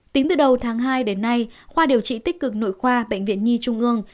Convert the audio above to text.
tính từ đầu tháng hai đến nay khoa điều trị tích cực nội khoa bệnh viện nhi trung ương